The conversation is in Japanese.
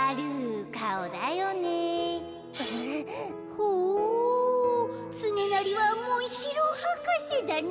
ほうつねなりはモンシローはかせだね。